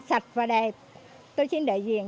sạch và đẹp tôi xin đại diện